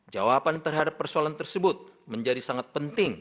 jawaban terhadap persoalan tersebut menjadi sangat penting